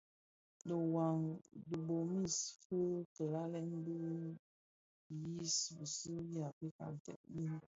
Dhi ňwad tibomis bi fikalèn fi bë yiyis bisu u Afrika ntsem mbiň.